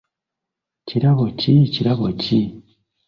Kirabo ki, kirabo ki ?